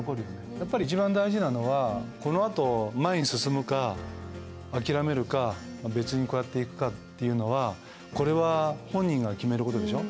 やっぱり一番大事なのはこのあと前に進むか諦めるか別にこうやっていくかっていうのはこれは本人が決める事でしょ？